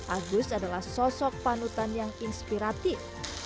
agus adalah sosok panutan yang inspiratif